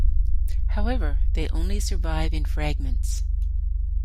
However, they only survive in fragments.